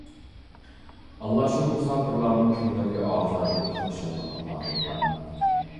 ئاللا شۇ مۇساپىرلارنىڭ كۈنلىرىگە ئازادىلىك، خۇشاللىق ئاتا قىلغاي!